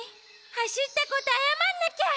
はしったことあやまんなきゃ！